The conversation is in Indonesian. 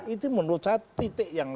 itu menurut saya titik yang